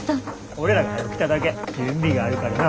俺らがはよ来ただけ。準備があるからな。